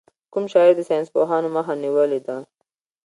کوم شاعر د ساینسپوهانو مخه نېولې ده.